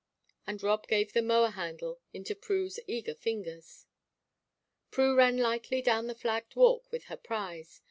And Rob gave the mower handle into Prue's eager fingers. Prue ran lightly down the flagged walk with her prize.